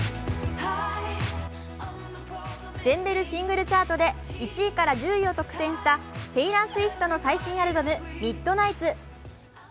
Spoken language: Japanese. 全米シングルチャートで１位から１０位を独占したテイラー・スウィフトの最新アルバム「ミッドナイツ」。